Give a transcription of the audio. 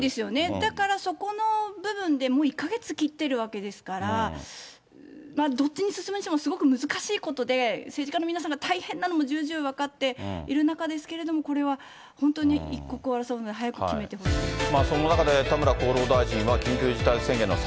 だからそこの部分で、もう１か月切ってるわけですから、どっちに進むにしてもすごく難しいことで、政治家の皆さんが大変なのも重々分かっている中ですけれども、これは本当に一刻を争うので、早く決めてほしいです。